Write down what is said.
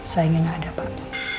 saingannya ada pak